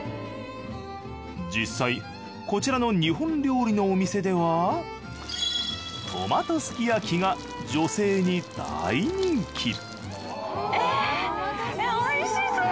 実際こちらの日本料理のお店ではトマトすきやきが女性に大人気えぇ！